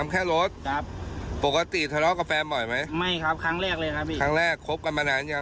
ครั้งแรกคบกันมะหนายังคบมากันปีกว่าหรอครับ